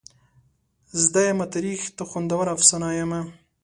زده یمه تاریخ ته خوندوره افسانه یمه.